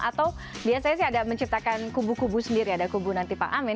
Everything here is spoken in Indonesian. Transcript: atau biasanya sih ada menciptakan kubu kubu sendiri ada kubu nanti pak amin